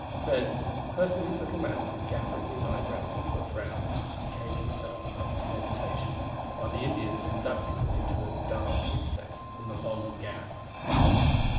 Then, pursing his little mouth, and gathering his eyebrows into a frown, he gave himself up to meditation, while the Indians conducted them into the dark recesses of the Long Gap.